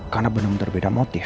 karena benar benar beda motif